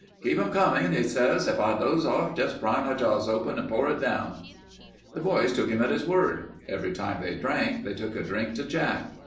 'Keep 'em comin',' he says. 'If I doze off, just pry my jaws open and pour it down.' "The boys took him at his word. Every time they drank, they took a drink to Jack.